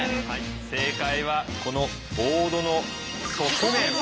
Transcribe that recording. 正解はこのボードの側面。